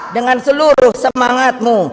dengan seluruh semangatmu